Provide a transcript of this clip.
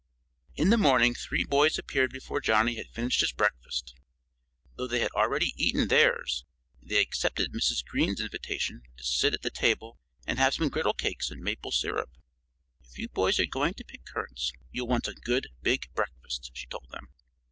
In the morning three boys appeared before Johnnie had finished his breakfast. Though they had already eaten theirs, they accepted Mrs. Green's invitation to sit at the table and have some griddlecakes and maple syrup. "If you boys are going to pick currants you'll want a good, big breakfast," she told them.